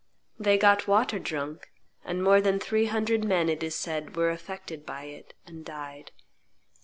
They got water drunk, and more than three hundred men, it is said, were affected by it and died.